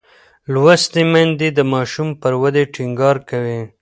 لوستې میندې د ماشوم پر ودې ټینګار کوي.